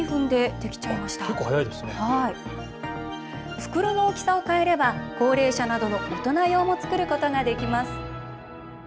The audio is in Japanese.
袋の大きさを変えれば高齢者などの大人用も作ることができます。